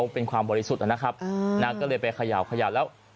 เป็นความบริสุทธิ์นะครับก็เลยไปเขย่าแล้ว